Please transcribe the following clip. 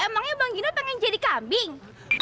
emangnya bang gina pengen jadi kambing